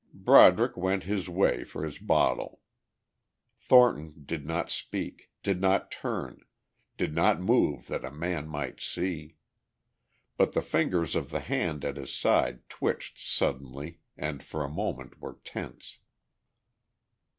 Broderick went his way for his bottle. Thornton did not speak, did not turn, did not move that a man might see. But the fingers of the hand at his side twitched suddenly and for a moment were tense.